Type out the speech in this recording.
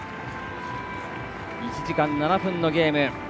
１時間７分のゲーム。